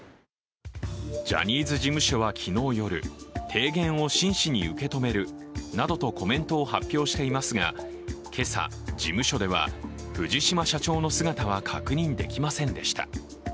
ジャニーズ事務所は昨日夜、提言を真摯に受け止めるなどとコメントを発表していますが今朝、事務所では藤島社長の姿は確認できませんでした。